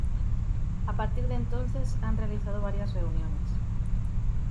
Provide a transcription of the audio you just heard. A partir de entonces han realizado varias reuniones.